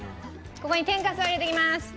ここに天かすを入れていきます。